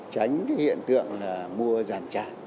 tránh cái hiện tượng là mua giàn tràn